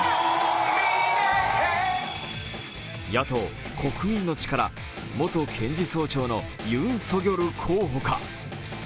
野党、国民の力、元検事総長のユン・ソギョル候補か。